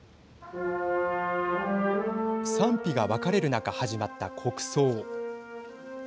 賛否が分かれる中始まった国葬。